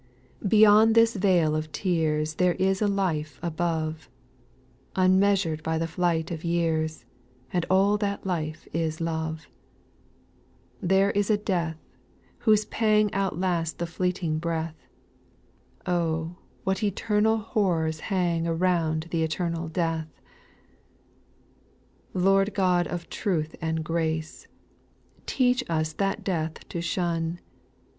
Beyond this vale of tears There is a life above, Unmeasur'd by the flight of years ; And all that life is love :— There is a death, whose pang Outlasts the fleeting breath, Oh I what eternal horrors hang Around " the eternal death." 3. Lord God of truth and grace, Teach us that death to shun.